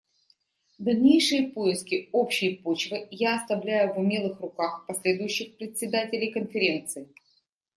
Дальнейшие поиски общей почвы я оставляю в умелых руках последующих председателей Конференции.